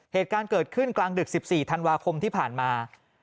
เหตุการณ์เกิดขึ้นกลางดึก๑๔ธันวาคมที่ผ่านมา